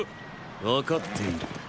分かっている。